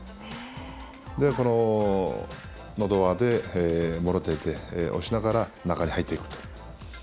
こののど輪でもろ手で押しながら中に入ってくと。